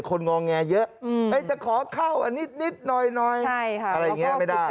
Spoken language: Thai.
งอแงเยอะจะขอเข้าอันนิดหน่อยอะไรอย่างนี้ไม่ได้